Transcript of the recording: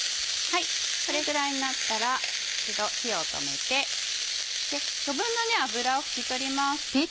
これぐらいになったら一度火を止めて余分な油を拭き取ります。